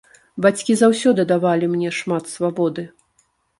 Бацькі заўсёды давалі мне шмат свабоды.